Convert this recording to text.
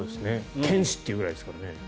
犬歯というぐらいですからね。